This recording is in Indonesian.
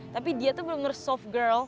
tapi dia tuh benar benar soft girl